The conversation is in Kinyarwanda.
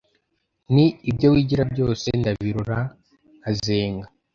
Nti: ibyo wigira byose Ndabirora nkazenga